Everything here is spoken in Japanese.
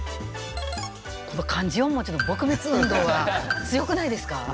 この漢字４文字の「撲滅運動」は強くないですか？